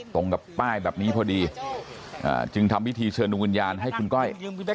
ตรงกับป้ายแบบนี้พอดีจึงทำพิธีเชิญดวงวิญญาณให้คุณก้อย